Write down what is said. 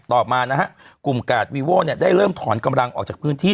ต่อมานะฮะกลุ่มกาดวีโว้เนี่ยได้เริ่มถอนกำลังออกจากพื้นที่